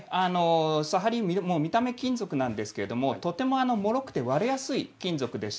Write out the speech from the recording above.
砂張は見た目が金属なんですがとてももろくて割れやすいんです。